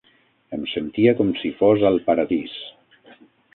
Em sentia com si fos al paradís.